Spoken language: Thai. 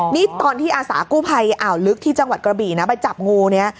นี่ตอนที่อาสากู้ภัยอ่าวลึกที่จังหวัดกระบี่นะไปจับงูเนี่ย